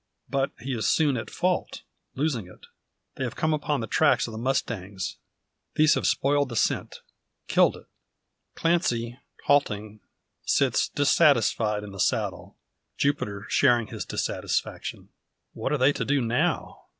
But he is soon at fault, losing it. They have come upon the tracks of the mustangs, these having spoiled the scent killed it. Clancy, halting, sits dissatisfied in the saddle; Jupiter sharing his dissatisfaction. What are they to do now?